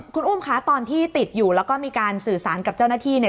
คุณอุ้มคะตอนที่ติดอยู่แล้วก็มีการสื่อสารกับเจ้าหน้าที่เนี่ย